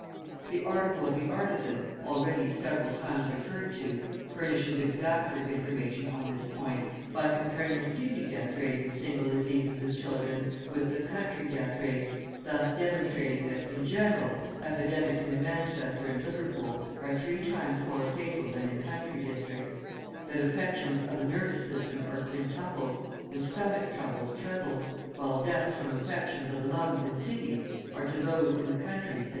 {108a} The article of the Artisan, already several times referred to, furnishes exacter information on this point, by comparing the city death rate in single diseases of children with the country death rate, thus demonstrating that, in general, epidemics in Manchester and Liverpool are three times more fatal than in country districts; that affections of the nervous system are quintupled, and stomach troubles trebled, while deaths from affections of the lungs in cities are to those in the country as 2.